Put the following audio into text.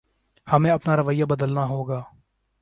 ہمیں اپنا رویہ بدلنا ہوگا۔